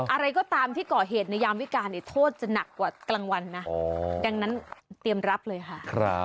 อะไรก็ตามที่ก่อเหตุในยามวิการโทษจะหนักกว่ากลางวันนะดังนั้นเตรียมรับเลยค่ะ